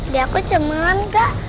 dia kok cemerlang gak